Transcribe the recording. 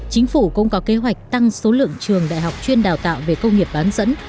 chính phủ cũng có kế hoạch tăng số lượng trường đại học chuyên đào tạo về công nghiệp bán dẫn